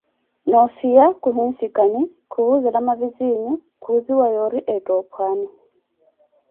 noofiya khuhinsikani, khuwuuzela mavizinho, khuuziwa yoori ettha pwani .